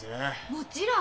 もちろん！